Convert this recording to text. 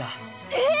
えっ！